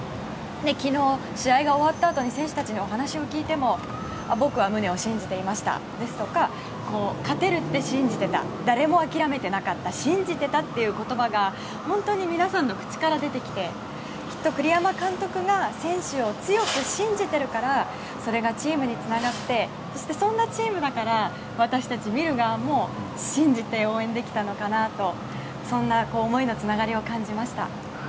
昨日、試合が終わったあとに選手たちにお話を聞いても僕はムネを信じていましたですとか勝てると信じていた誰も諦めていなかった信じていたという言葉が本当に、皆さんの口から出てきてきっと栗山監督が選手を強く信じているからそれがチームにつながってそして、そんなチームだから私たち見る側も信じて応援できたのかなとそんな思いのつながりを感じました。